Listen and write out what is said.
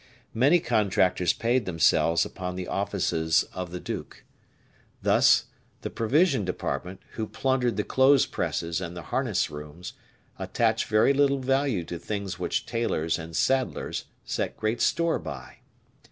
Many contractors paid themselves upon the offices of the duke. Thus, the provision department, who plundered the clothes presses and the harness rooms, attached very little value to things which tailors and saddlers set great store by.